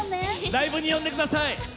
ライブに呼んでください！